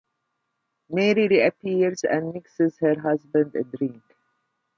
Mary reappears and mixes her husband a drink.